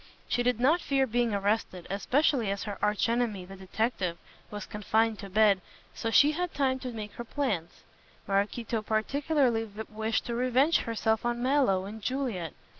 She did not fear being arrested, especially as her arch enemy, the detective, was confined to bed, so she had time to make her plans. Maraquito particularly wished to revenge herself on Mallow and Juliet.